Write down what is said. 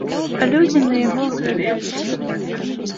Людзі на яго аглядаліся.